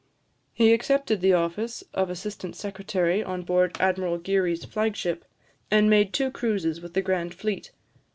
He accepted the office of assistant secretary on board Admiral Geary's flag ship, and made two cruises with the grand fleet.